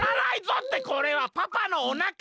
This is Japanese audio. ってこれはパパのおなか！